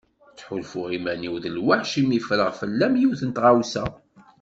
Ttḥulfuɣ iman-iw d lwaḥc imi ffreɣ fell-am yiwet n tɣawsa.